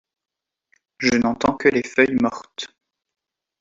Je n'entends que les feuilles mortes.